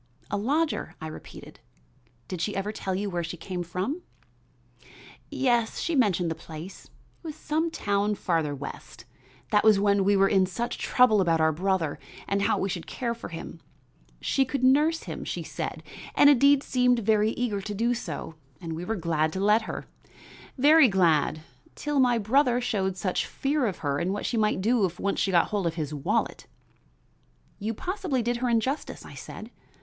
"A lodger?" I repeated. "Did she ever tell you where she came from?" "Yes, she mentioned the place, it was some town farther west. That was when we were in such trouble about our brother and how we should care for him. She could nurse him, she said, and indeed seemed very eager to do so, and we were glad to let her, very glad, till my brother showed such fear of her and of what she might do if she once got hold of his wallet." "You possibly did her injustice," I said.